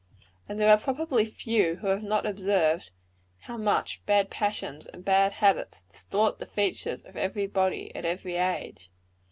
And there are probably few who have not observed how much bad passions and bad habits distort the features of every body, at every age.